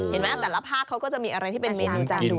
เห็นไหมแต่ละภาคเขาก็จะมีอะไรที่เป็นเมนูจานดู